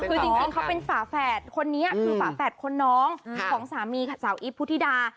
คือจริงเขาเป็นฝาแฝดคนนี้คือฝาแฝดคนน้องของสามีค่ะสาวอีฟพุทธิดา